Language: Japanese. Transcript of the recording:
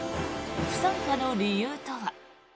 不参加の理由とは。